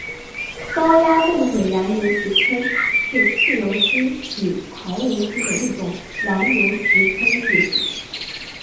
高压共轨燃油直喷是汽油机与柴油机的一种燃油直喷技术。